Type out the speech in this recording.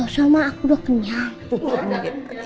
sama aku udah kenyang